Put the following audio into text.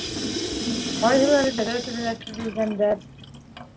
Ҡайһылары тәҙрә төбөнә теҙелгәндәр.